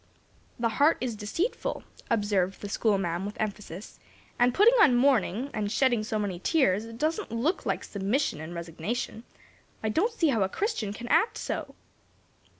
"The heart is deceitful," observed the schoolma'am with emphasis, "and putting on mourning, and shedding so many tears, doesn't look like submission and resignation. I don't see how a Christian can act so."